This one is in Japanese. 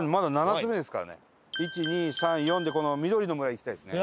１２３４でこのみどりの村行きたいですね。